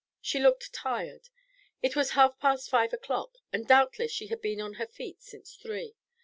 She looked tired. It was half past five o'clock, and doubtless she had been on her feet since three.